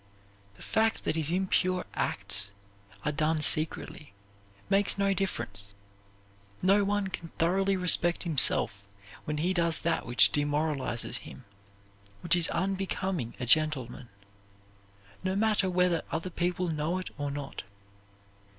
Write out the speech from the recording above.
The fact that his impure acts are done secretly makes no difference. No one can thoroughly respect himself when he does that which demoralizes him, which is unbecoming a gentleman, no matter whether other people know it or not.